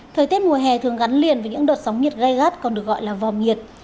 thời tiết mùa hè thường gắn liền với những đợt sóng nhiệt gây gắt còn được gọi là vòm nhiệt